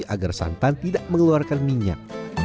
agar santan tidak mengeluarkan minyak